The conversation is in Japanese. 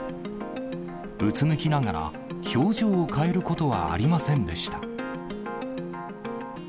うつむきながら、表情を変えることはありませんでした。